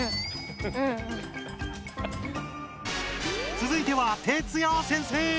つづいてはＴＥＴＳＵＹＡ先生！